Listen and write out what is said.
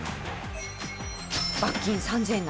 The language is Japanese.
罰金３７００円。